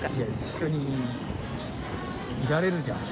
一緒にいられるじゃん。